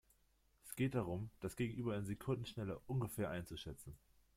Es geht darum, das Gegenüber in Sekundenschnelle ungefähr einzuschätzen.